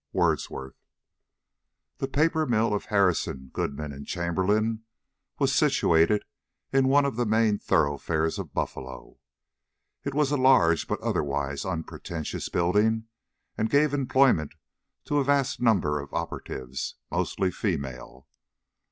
WORDSWORTH. THE paper mill of Harrison, Goodman & Chamberlain was situated in one of the main thoroughfares of Buffalo. It was a large but otherwise unpretentious building, and gave employment to a vast number of operatives, mostly female.